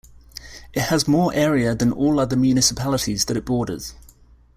It has more area than all other municipalities that it borders.